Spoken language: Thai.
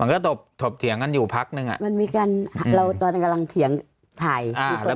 ก็ตบถบเถียงกันอยู่พักนึงอ่ะมันมีการเราตอนกำลังเถียงถ่ายอ่า